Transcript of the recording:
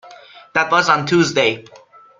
That was on Tuesday.